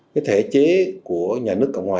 cái thể chế của nhà nước cộng hòa